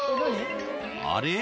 あれ？